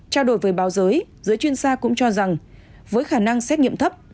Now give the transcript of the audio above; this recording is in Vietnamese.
trao đổi với báo giới giới chuyên sa cũng cho rằng với khả năng xét nghiệm thấp